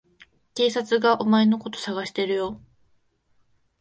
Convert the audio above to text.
警察がお前のこと捜してるよ。